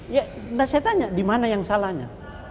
ya saya tanya dimana yang salahnya